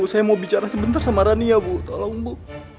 saya mau bicara sebentar sama rania bu tolong bu